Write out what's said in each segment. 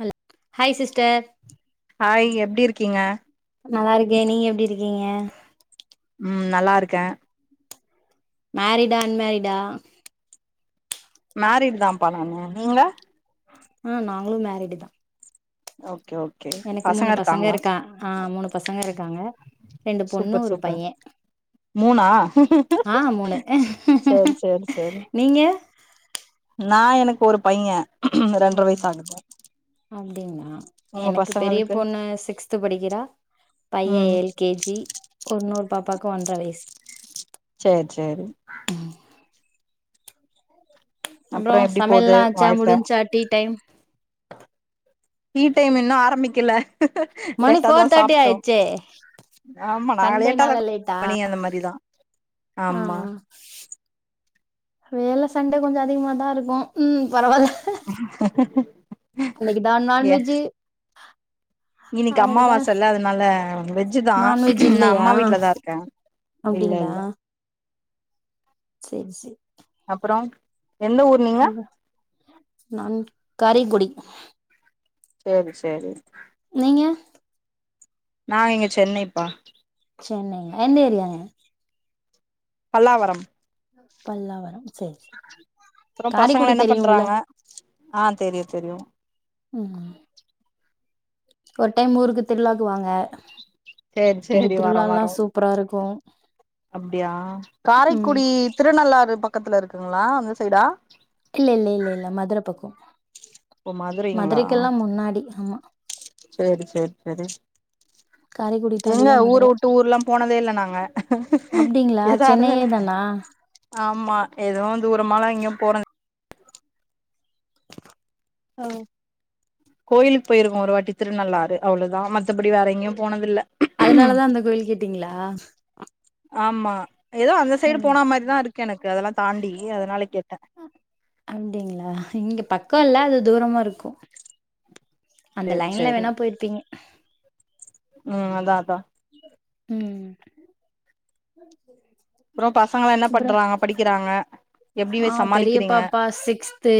Hello hi sister hi எப்டி இருக்கீங்க நல்லாருக்கே நீங்க எப்டி இருக்கீங்க ம் நல்லாருக்கே மேரிடா அன்மேரிடா மேரிட் தாம்ப்பா நானு நீங்க ம் நாங்களும் மேரிடு தா ஓகே ஓகே எனக்கு மூணு பசங்க இருக்கா ஆ மூணு பசங்க இருக்காங்க ரெண்டு பொண்ணு சூப்பர் ஒரு சூப்பர் பையன் மூணா ஆ மூணு சேரி சேரி சேரி நீங்க நா எனக்கு ஒரு பைய ரெண்டர வயசு ஆகுது அப்டிங்ளா உங்க எனக்கு பெரிய பசங்களுக்கு பொண்ணு சிக்ஸ்து படிக்கிறா பைய ம் ஏல் கே ஜி உன்னொரு பாப்பாக்கு ஒன்ற வயசு சேர் சேரி அப்பறோ அப்றோ எப்டி போது சமையெல்லா ஆச்சா வாழ்க்க முடிஞ்சா டீ டைம் டீ டைம் இன்னு ஆரம்மிக்கல மணி லேட்டாதா ஃபோர் தேர்ட்டி சாப்டோ ஆயிடுச்சே ஆமா நா லேட்டாதா சண்டேனால லேட்டா [inaudible] பண்ணி அந்த மாரி தா ஆ ஆ வேல சண்டே கொஞ்ச அதிகமாதா இருக்கூ ம் பரவால்ல அன்னைக்கிதா நான்வெஜ்ஜு இன்னிக்கு அன்னைக்குதா அம்மாவாசல்ல அதனால வெஜ் தா நான்வெஜ் நா இல்லையா அம்மா வீட்ல தா இருக்க அப்டிங்களா சேர் சேர் அப்பறோ எந்த ஊர் நீங்க உங்க நான் காரைக்குடி சேரி சேரி நீங்க நா இங்க சென்னைப்பா சென்னை எந்த ஏரியா பல்லாவரம் பல்லாவரம் செரி செரி அப்புறோ பசங்களா காரைக்குடி என்ன தெரியுல பண்றாங்க ஆ தெரியு தெரியு ம் ஒரு டைம் ஊருக்கு திருவிழாக்கு வாங்க சேரி இங்க சேரி வரோ திருவிழா எல்லா வரோ சூப்பரா இருக்கு அப்டியா ம் காரைக்குடி திருநள்ளாறு பக்கத்துல இருக்குங்களா அந்த சைடா இல்ல இல்ல இல்ல இல்ல மதுர பக்கோ ஓ மதுரைங்களா மதுரைக்கெல்லா முன்னாடி ஆமா சேரி சேரி செரி காரைக்குடி எங்க தாண்டிதா ஊர மதுர விட்டு ஊர்ல்லா போனதே இல்ல நாங்க அப்டிங்களா எதா சென்னையே இருந்தாலு தானா ஆமா எதுவு தூரமாலா எங்கேயு போற அ கோயிலுக்கு போயிருக்கோ ஒரு வாட்டி திருநள்ளாறு அவ்ளதா மத்தபடி வேற எங்கேயு போனதில்ல அதுனாலதா அந்த கோயில் கேட்டீங்களா ஆமா எதோ அந்த சைடு போனா மாரிதா இருக்கு எனக்கு அதெல்லா தாண்டி அதனால தா கேட்டே அப்டிங்களா இங்க பக்க இல்ல அது தூரமா இருக்கு அந்த சேரி லைன்ல சேரி வேணா போயிருப்பீங்க ம் அதா அதா ம் அப்புற பசங்கல்லா என்ன அப்றோ பண்றாங்க படிக்கிறாங்க எப்டி வே ஆ சமாளிக்கிறீங்க பெரியப்பாப்பா சிக்ஸ்த்து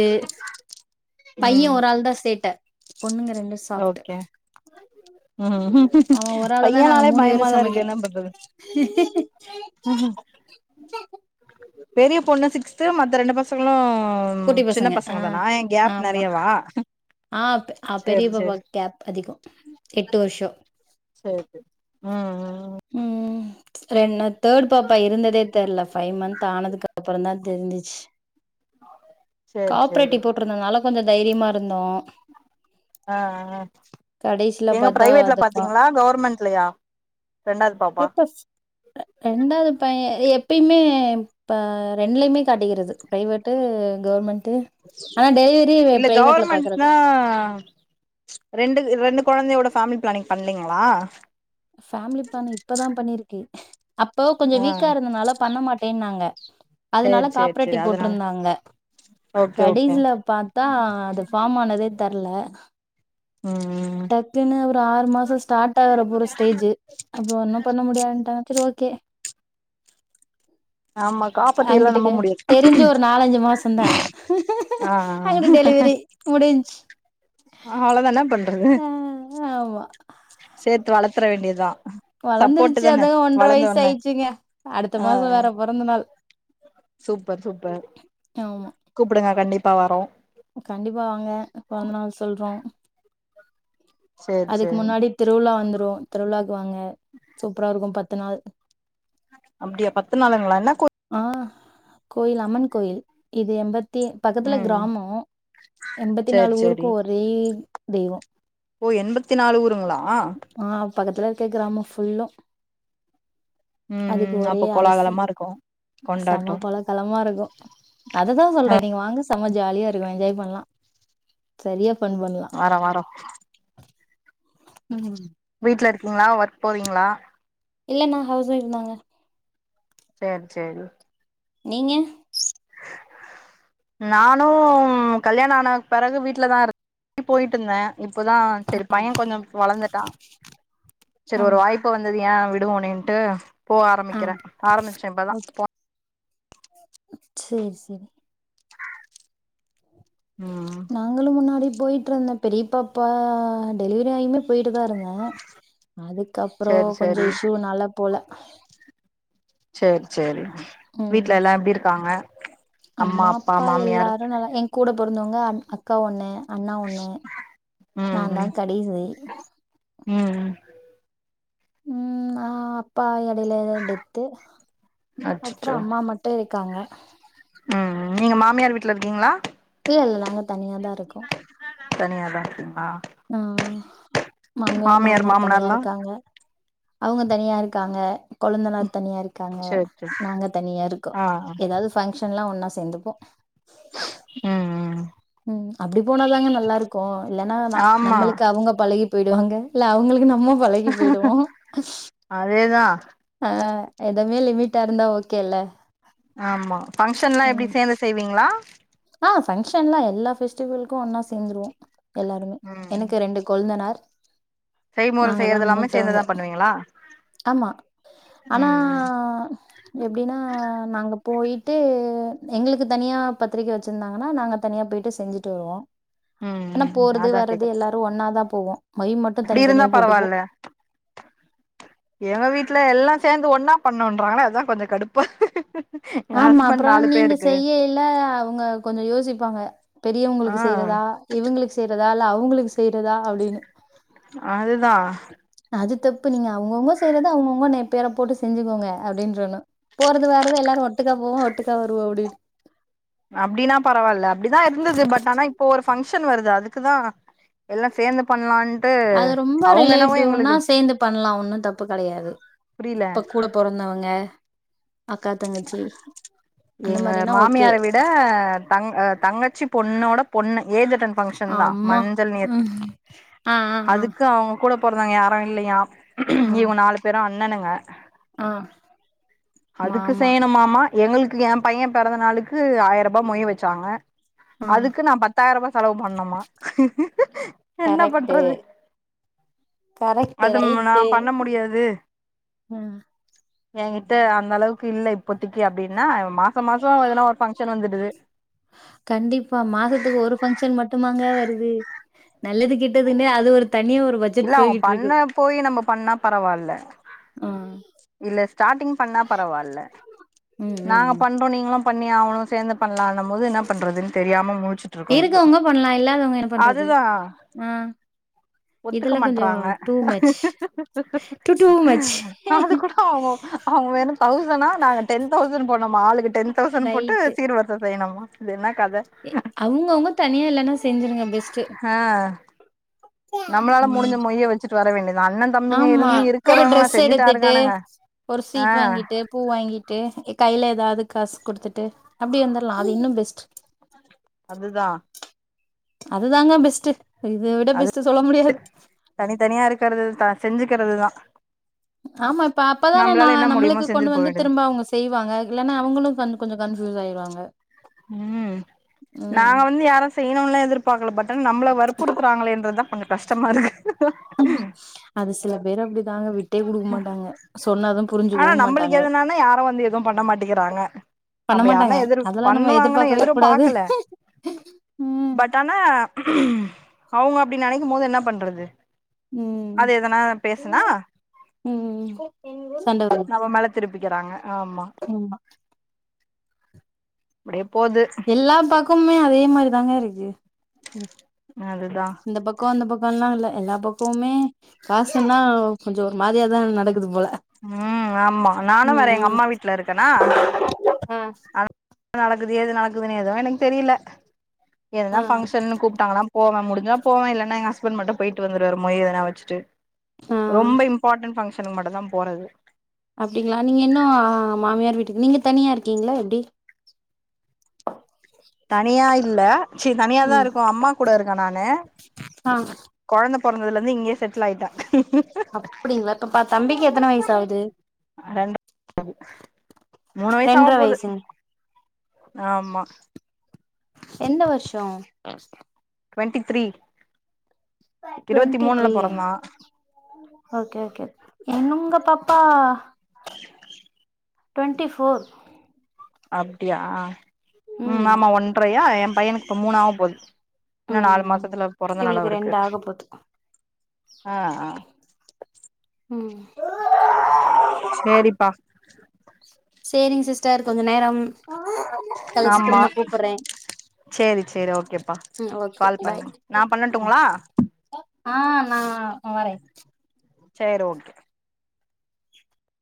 பைய ம் ஒரு ஆள் தா சேட்ட பொண்ணுங்க ரெண்டு சாஃப்ட் ஓகே ம் அவ ஒரு ஆள தா நாங்க பையன்னாலே மூணு பேரு பயமாதா இருக்கு சமைக்கிறோ என்ன பண்றது அஹ பெரிய பொண்ணு சிக்ஸ்து மத்த ரெண்டு பசங்களு ம் குட்டி சின்ன ஆ பசங்க தானா ஏன் கேப் ஆமா நிறையவா ஆ பெரிய பாப்பாக்கு கேப் அதிகோ எட்டு வர்ஷோ சரி ம்ம் ம் ரெண் தேர்ட் பாப்பா இருந்ததே தெர்ல ஃபை மந்த் ஆனதுக்கு அப்புறந்தா தெரிஞ்சுச்சு சேரி சேரி காப்பர்ட்டி போட்ருந்ததுனால கொஞ்ச தைரியமா இருந்தோ ஆ ஆ கடைசில எங்க பாத்தா ப்ரைவேட்ல அதப்பா பாத்தீங்களா கவர்மெண்ட்லயா ரெண்டாவது பாப்பா பேபஸ் ரெண்டாவது பையே எப்பயுமே இப்ப ரெண்டுலயுமே காட்டிக்கிறது பிரைவேட்டு கவர்மெண்ட் தே ஆனா டெலிவரி இல்ல பிரைவேட்ல பாக்கறது கவர்மெண்ட்னா ரெண்டு ரெண்டு கொழந்தையோட ஃபேமிலி பிளானிங் பண்லைங்களா ஃபேமிலி பிளான் இப்பதா பண்ணிருக்கு அப்போ கொஞ்ச ஆ வீக்கா இருந்தனால பண்ண மாட்டேன்னாங்க அதனால சேரி சேரி காப்பரட்டி சேரி அதனால போட்ருந்தாங்க ஓகே ஓகே கடைசில பாத்தா அது ஃபார்ம் ஆனதே தெர்ல உம் டக்னு ஒரு ஆறு மாசோ ஸ்டார்ட் ஆகுற போற ஸ்டேஜ் அப்றோ ஒன்னும் பண்ண முடியாட்டாங்க சரி ஓகே [inaudible] காப்பாத்தி எல்லா நம்ப அங்கிட்டுக்கு முடியாது தெரிஞ்சு ஒரு நாலஞ்சு மாசம்தா ஆ அங்கிட்டு டெலிவரி முடிஞ்ச்சு அவ்ளவுதா என்ன பண்றது ஆ ஆமா சேத்து வளத்ற வேண்டியதா சப்போர்ட்டு வளந்துருச்சு தான அதாங்க ஒன்ரை வளந்த வயசு ஒட்னே ஆயிடுச்சுங்க அடுத்த ஆ மாசோம் ஆ வேற பொறந்த நாள் சூப்பர் சூப்பர் ஆமா கூப்டுங்க கண்டிப்பா வர்றோ கண்டிப்பா வாங்க பொறந்த நாள் சொல்றோ சேரி அதுக்கு சேரி முன்னாடி திருவிழா வந்துரு திருவிழாவுக்கு வாங்க சூப்பரா இருக்கும் பத்து நாள் அப்டியா பத்து நாளுங்களா என்ன கூத் ஆ கோயில் அம்மன் கோயில் இது எம்பத் தி பக்கத்தில ம் கிராமோ எம்பத்தி சேரி நாலு ஊருக்கு சேரி ஒரே தெய்வோ ஓ எண்பத்தி நாலு ஊருங்ளா ஆ பக்கத்துல இருக்க கிராமம் ஃபுல்லூ ம் அதுக்கு ம் ஒரே அப்ப அரசி கோலாகலமா இருக்கோ செம கொண்டாட்டோ கொல களமா இருக்கும் அத தா சொல்றே நீங்க வாங்க செம ஜாலியா இருக்கு என்ஜாய் பண்லா சரியா ஃபண் பண்லா வாரோ வாரோ உம் வீட்ல இருக்கீங்ளா ஒர்க் போவீங்ளா இல்ல நா ஹவுஸ்ஒய்ஃப் தாங்க சேர் சேரி நீங்க [inaudible] நானூ கல்யாண ஆனக்கு பிறகு வீட்ல தா இருந்து போய்ட்டு இருந்தே இப்பதா செரி பையெ கொஞ்ச வளந்துட்டா செரி ஆ ஒரு வாய்ப்பு இப்ப வந்ததுஏ விடுவோனிட்டு போக ஆ ஆரம்பிக்கிறே ஆரம்பிச்சே இப்பதா போ சேர் சேரி உம் நாங்களும் முன்னாடி போய்ட்டு இருந்தே இருந்தே பெரியபாப்பா டெலிவரி ஆயுமே போய்ட்டு தா இருந்தே அதுக்கப்பறோ சேரி சேரி கொஞ்சோம் இஷ்வூ நால போல சேரி சேரி ம் வீட்ல எல்லா எப்டி இருக்காங்க அம்மா அப்பா மாமியார் எல்லாரு நல்லா எ கூட பொறந்தவங்க அக்கா ஒன்னு அண்ணா ஒன்னு நா தா கடைசி உம் உம் உம் அ அப்பா கடையில தா டெத்து அப்றோ அச்சச்சோ அம்மா மட் ட்டே இருக்காங்க உம் உம் நீங்க மாமியார் வீட்ல இருக்கீங்ளா இல்ல இல்ல நாங்க தனியாதா இருக்கோ தனியாதா இருக்கீங்ளா உம் உம் மாமியார் மாமனார் தனியா மாமனார்லா இருக்காங்க அவுங்க தனியா இருக்காங்க கொழுந்தனார் தனியா இருக்காங்க சேரி சேரி நாங்க தனியா இருக்கோ ஆ ஏதாவுது ஃபங்ஷனா ஒன்னா சேந்துப்போ ம் ம் ம் அப்டி போனாதாங்க நல்லா இருக்கு இல்லனா ந ஆமா நம்மளுக்கு அவுங்க பழகி போயிடுவாங்க இல்ல அவுங்ளுக்கு நம்ம பழகி போயிடுவோ அதேதா ஆ எதுமே லிமிட்டா இருந்தா ஓக்கேல்ல ஆமா பங்ஷன்னா எப்டி சேந்து செய்வீங்ளா ஆ பங்ஷன்னா எல்லா ஃபெஸ்டிவில்கோ ஒன்னா சேந்துருவோ எல்லாருமே ம் எனுக்கு ரெண்டு கொழுந்தனார் செய்முறை நாங்க தான் செய்றதெல்லாமே மூத்தவங்க. சேந்துதா பண்ணுவீங்களா ஆமா ஆனா ம் எப்டின்னா நாங்க போயிட்டு எங்களுக்கு தனியா பத் திரிக்க வெச்சிந்தாங்கனா நாங்க தனியா போயிட்டு செஞ்சுட்டு வருவோ ம் ஆனா ம் போறது அதா வர்றது கேக்குறே எல்லாரோ ஒன்னாதா போவோ முய் மட் அப்டி இருந்தா பரவால்ல எங்க வீட்ல எல்லா சேந்து ஒன்னா பண்ணோன்றாங்ளே அதா கொஞ்சோ கடுப்பா எங்க ஆமா ஹஸ்பண்ட் அப்றோ நாலு நீங்க பேருக்கு செய்யயில அவுங்க கொஞ்சொ யோசிப்பாங்க ஆ பெரியவங்ளுக்கு செய்றதா இவுங்களுக்கு செய்றதா அல்ல அவுங்களுக்கு செய்றதா அப்டின்னு அதுதா அது தப்பு நீங்க அவுங்கவுங்க செய்றத அவுங்கவுங்க நே பேர போட்டு செஞ்சுகோங்க அப்டின்றனு போறது வராது எல்லாரு ஒட்டுக்கா போவோ ஒட்டுக்கா வருவோ அப்டினு அப்டின்னா பரவால்ல அப்டிதா இருந்துது பட் ஆனா இப்போ ஒரு பங்ஷன் வருது அதுக்குதா எல்லா சேந்து பண்லாண் அது ரொம்போ ரிலேட்டிவ்னா சேந்து பண்லா ஒன்னு தப்பு கெடையாது புரில இப்போ கூடப் பொறந்தவங்க அக்கா தங்கச்சி அந்த எங்க மாரினா ஓகே. மாமியாரவிட தங் ஆ தங்கச்சி பொண்ணோட பொண்ணு ஏஜ்ஜட்டன் பங்ஷன்தா அம்மா, மஞ்சள் நீ ம். ஆ, ஆ, ஆ, அதுக்கு அவுங்க கூடப் பொறந்தவங்க யாரு இல்லயா ஆ, இவங்க நாலு பேரு அண்ணனுங்க ஆ, அதுக்கு மாமா. செய்யணுமாமா எங்க ஏ பைய பெறந்த நாளுக்கு ஆயிர்ரூபா மொய் வெச்சாங்க ஆ, அதுக்கு நா பத்தாயிரூபா செலவு பண்ணுமா என்ன கரெக்ட்டு, பண்றது கரெக்ட்டு, அதும் நா ரைட்டு. பண்ண முடியாது ஆ. ஏ கிட்ட அந்த அளவுக்கு இல்ல இப்போத்திக்கு அப்டின்னா மாச மாசோ எதனா ஒரு பங்க்ஷன் வந்திருது கண்டிப்பா மாசத்துக்கு ஒரு ஃபங்க்ஷன் மட்டுமாங்க வருது நல்லது கெட்டதுன்னே அது ஒரு தனி ஒரு பட்ஜெட் இல்ல அவுங்க போய்கிட்டுருக்கு. பண்ண போய் நம்ப பண்ணா பரவால்ல ஆ இல்ல ஸ்டாட்டிங் பண்ணா பரவால்ல ம் ம், நாங்க ம். பண்றோ நீங்களு பண்ணி ஆவனு சேந்து பண்ணலான்னும்போது இன்னா பண்றதுன்னு தெரியாம முழிச்சுட் இருக்கவுங்க பண்ணலா இல்லாதவுங்க என்ன பண்றது ஆ ஒத்துக்க இதெல்லாம் கொஞ்சம் மாட்றாங்க too much. Too too much. அது கூட அவுங்க அவுங்க வேணு தௌசண்டா நாங்க டென் தௌசண்ட் போடனுமா ஆளுக்கு டென் தௌசண்ட் போட்டு ரைட்டு. சீர் வ ரிச செய்யனுமா இது என்னக்கத அவுங்கவுங்க தனியா இல்லன்னா செஞ்சிருங்க பெஸ்ட்டு ஆ நம்மளால ம் முடிஞ்ச மொய்ய வச்சுட்டு வர வேண்டியதா அண்ண தம்பிங்க ஆமா இருந்து ஒரு இருக்கிறவங்களா ட்ரெஸ் எடுத்துட்டு செஞ்சுட்டாருக்கானுங்க ஒரு ஆ ஸ்வீட் வாங்கிட்டு பூ வாங்கிட்டு கைல காசு எதாவது குடுத்துட்டு அப்டி வந்தர்லா அது இன்னு பெஸ்ட் அது தா அது தாங்க பெஸ்ட் இத விட அது பெஸ்ட் சொல்ல முடியாது தனித்தனியா இருக்கறது த செஞ்சுக்கறது தா ஆமா இப்ப அப்பதானே நா என்ன நம்மளுக்கு முடியுமோ கொண்டு செஞ்சுட்டு போ வந்து வேண்டியதா திரும்பா அவுங்க செய்வாங்க இல்லன்னா அவுங்களு கொ கொஞ்ச கன்ஃபியூஸ் ஆயிருவாங்க ம் நா ம் வந்து யாரு செய்யணுல்லா எதிர்பாக்கல பட் நம்மள வற்புறுத்துறாங்களேன்றது தா கொஞ்ச கஷ்டமா இருக்கு அது சில பேர் அப்டி தாங்க விட் ம் ஆனா நம்மளுக்கு மாட்டாங்க எதுன்னா யாரு வந்து எது பண்ண மாட்டிக்கிறாங்க பண்ண நம்ம மாட்டாங்க யாருன்னா எதிர் அதெல்லா நம்ம பண்ணுவாங்கன்னு எதிர்பார்க்கவே எதிர் கூடாது பாக்கல ம் பட் ஆனா அவுங்க அப்டி நெனைக்கும் போது என்ன பண்றது அது எதனா பேசுனா ம் ம் சண்ட வரு இவ மேல திருப்பிக்கிறாங்க ஆமா ம் அப்டியே போது எல்லா பக்கமுமே அதே மாரி தாங்க இருக்கு ம் அது தா இந்த பக்கோ அந்த பக்கம்ல்லா இல்ல எல்லா பக்கமே காசுனா கொஞ்ச ஒரு மாரியா தா நடக்குது போல ஆ ஆமா நானு வேற ம் எங்க ம் அம்மா வீட்ல இருக்கனா ஆ என்ன நடக்குது ஏது நடக்குதுன்னு எது எனக்கு தெரில எதுனா ஆ ஃபங்க்ஷன்னு கூப்ட்டாங்கன்னா போவ முடிஞ்சா போவே இல்லன்னா எங்க ஹஸ்பண்ட் மட்டு போயிட்டு வந்துருவாரு மொய் எதனா வச்சுட்டு ஆ ரொம்ப இம் பார்டன் ஃபங்க்ஷனுக்கு மட்டு தா போறது அப்டிங்களா நீங்க இன்னு மாமியார் வீட்டுக்கு நீங்க தனியா இருக்கீங்களா எப்டி தனியா இல்ல சேரி தனியாதா ம் இருக்கு அம்மா கூட இருக்கே நானு ஆ கொழந்த பொறந்ததுல இருந்து இங்கேயே செட்டில் ஆய்ட்ட அப்டிங்களா இப்ப பா தம்பிக்கு எத்தன வயசு ஆவுது ரெண்டு [inaudible] மூணு வயசு ஆவ ரெண்டர போது வயசுங்க ஆமா எந்த வர்ஷோ டவென்டி த்ரீ இரவத்தி டுவெண்ட்டி மூணுல த்ரீயா பொறந்தா ஓகே ஓகே என்ன உங்க பாப்பா [inaudible] டுவென்டி ஃபோர் அப்டியா ம் ஆமா ஒன்ரையா எ பையனுக்கு இப்ப மூண் ஆவ போது இன்னு நாலு ம் மாசத்துல பொறந்த நாளு இவளுக்கு அவருக்கு ரெண்டு ஆக போது அ அ ம் சேரிப்பா சேரிங்க சிஸ்டர் கொஞ்சோ நேரம் கலிச்சி திரும்ப கூப்பறே செரி செரி ஓகேப்பா ஓகே கால் பாய் பண்ணு நா பண்ணட்டுங்களா ஆ நா வரே சேரி ஓகே